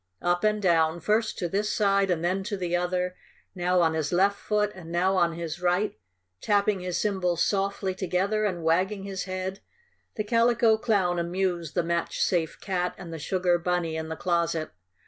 Up and down, first to this side and then to the other, now on his left foot and now on his right, tapping his cymbals softly together, and wagging his head, the Calico Clown amused the Match Safe Cat and the sugar Bunny in the closet.